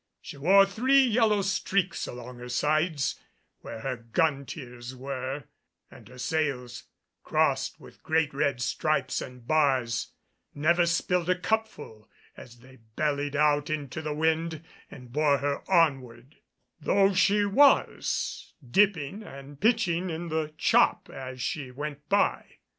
She wore three yellow streaks along her sides where her gun tiers were, and her sails, crossed with great red stripes and bars, never spilled a cupful as they bellied out into the wind and bore her onward, though she was dipping and pitching in the chop as she went by.